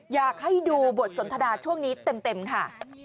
อยากให้ดูบทสนทนาช่วงนี้เต็มค่ะ